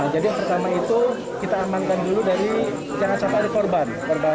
yang pertama itu kita amankan dulu dari jangan sampai ada korban